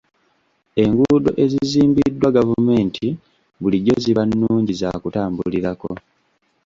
Enguudo ezizimbiddwa gavumenti bulijjo ziba nnungi za kutambulirako.